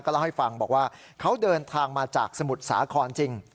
เล่าให้ฟังบอกว่าเขาเดินทางมาจากสมุทรสาครจริง